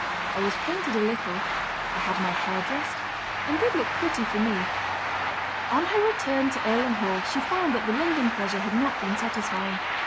I was painted a little, I had my hair dressed, and did look pretty for me." On her return to Earlham Hall she found that the London pleasure had not been satisfying.